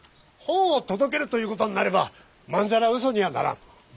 本を届けるということになればまんざらうそにはならん。